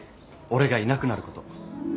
俺がいなくなること。